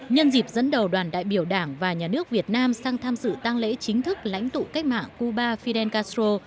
nhân dịp dẫn đầu đoàn đại biểu đảng và nhà nước việt nam sang tham dự tăng lễ chính thức lãnh tụ cách mạng cuba fidel castro